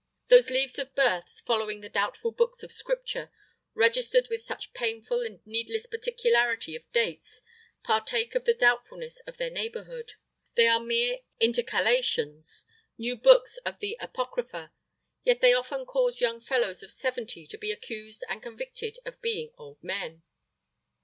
Those leaves of births following the doubtful books of Scripture, registered with such painful and needless particularity of dates, partake of the doubtfulness of their neighborhood. They are mere intercalations, new books of the Apocrypha. Yet they often cause young fellows of seventy to be accused and convicted of being old men.